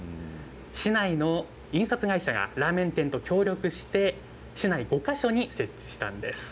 市内の印刷会社がラーメン店と協力して市内５か所に設置したんです。